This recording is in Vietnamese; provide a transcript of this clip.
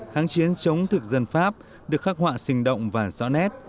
kháng chiến chống thực dân pháp được khắc họa sinh động và rõ nét